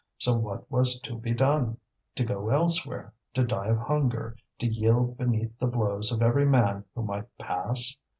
So what was to be done? to go elsewhere, to die of hunger, to yield beneath the blows of every man who might pass?